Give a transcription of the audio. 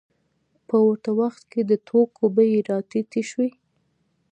په ورته وخت کې د توکو بیې راټیټې شوې